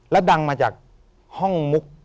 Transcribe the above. แล้วดังมาจากห้องมุก